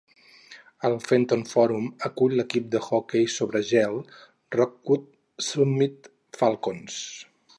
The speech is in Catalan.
El Fenton Forum acull l'equip d'hoquei sobre gel Rockwood Summit Falcons.